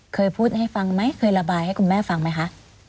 เคยพูดให้ฟังไหมเคยระบายให้คุณแม่ฟังไหมคะ